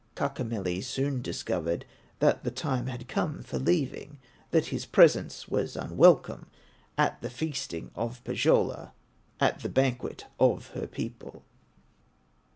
Kaukomieli soon discovered That the time had come for leaving, That his presence was unwelcome At the feasting of Pohyola, At the banquet of her people.